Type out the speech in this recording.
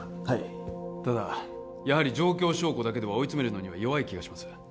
はいただやはり状況証拠だけでは追い詰めるのには弱い気がします